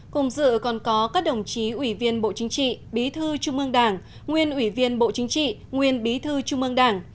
cùng dự còn có các đồng chí ủy viên bộ chính trị bí thư trung ương đảng nguyên ủy viên bộ chính trị nguyên bí thư trung ương đảng